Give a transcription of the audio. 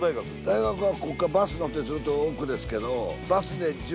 大学はこっからバス乗ってずっと奥ですけど。